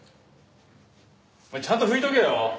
お前ちゃんと拭いとけよ！